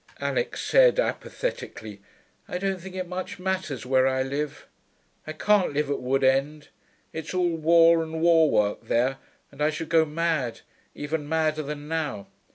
Alix said apathetically, 'I don't think it much matters where I live. I can't live at Wood End. It's all war and war work there, and I should go mad even madder than now.